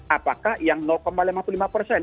apakah yang lima puluh lima persen